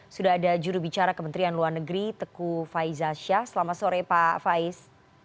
sudah ada jurubicara kementerian luar negeri teguh faizaz shah selamat sore pak faiz